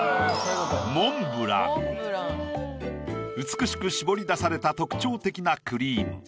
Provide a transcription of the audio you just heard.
美しく絞り出された特徴的なクリーム。